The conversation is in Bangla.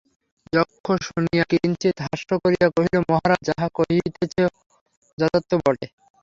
যক্ষ শুনিয়া কিঞ্চিৎ হাস্য করিয়া কহিল মহারাজ যাহা কহিতেছ যথার্থ বটে।